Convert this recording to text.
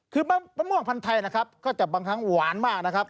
คือมะม่วงพันธ์ไทยนะครับก็จะบางครั้งหวานมากนะครับ